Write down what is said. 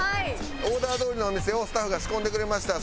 オーダーどおりのお店をスタッフが仕込んでくれました。